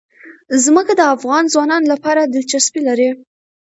ځمکه د افغان ځوانانو لپاره دلچسپي لري.